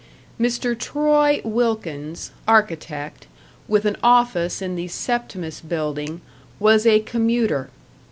Mr. Troy Wilkins, architect, with an office in the Septimus Building, was a commuter.